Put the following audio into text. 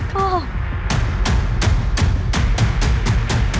ป่า